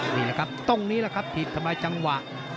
นี่แหละครับตรงนี้แหละครับถีบทำลายจังหวะ